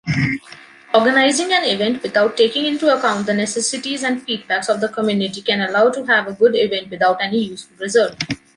Organizing an event without taking into account the necessities and feedbacks of the community can allow to have a good event without any useful result.